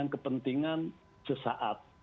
dengan kepentingan sesaat